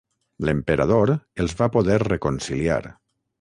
L'emperador els va poder reconciliar.